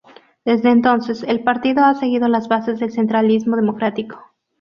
Desde entonces, el partido ha seguido las bases del centralismo democrático.